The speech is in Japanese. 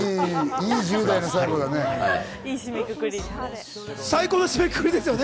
いい１０代の最後だね。